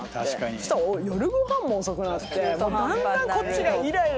そしたら夜ご飯も遅くなってだんだんこっちがイライラ。